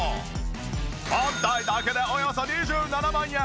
本体だけでおよそ２７万円。